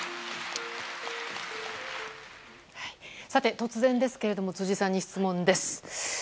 突然ですけど辻さんに質問です。